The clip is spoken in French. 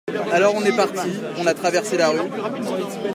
Alors on est partis, on a traversé la rue